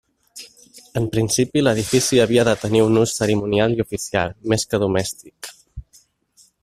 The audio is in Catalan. En principi l'edifici havia de tenir un ús cerimonial i oficial, més que domèstic.